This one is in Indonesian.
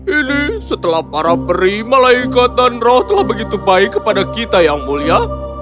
ini setelah para peri malaikat dan roh telah begitu baik kepada kita yang mulia